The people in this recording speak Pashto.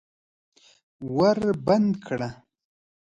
ور بند کړه!